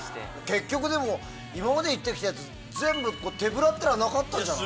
結局今まで行ってきたやつ手ぶらってなかったんじゃない？